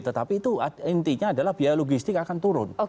tetapi itu intinya adalah biaya logistik akan turun